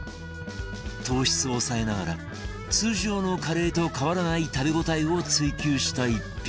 糖質を抑えながら通常のカレーと変わらない食べ応えを追求した一品